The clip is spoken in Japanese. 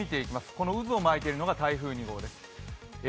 この渦を巻いているのが台風２号です。